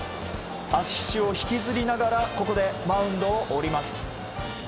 足を引きずりながらマウンドを降ります。